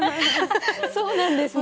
そうなんですね。